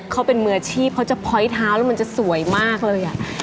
เขาเป็นมืออาชีพเขาจะพ้อยเท้าแล้วมันจะสวยมากเลย